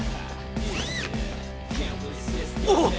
おっ！